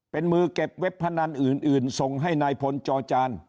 เป็นมือเก็บเว็บพนันอื่นส่งให้นายพลจอจาน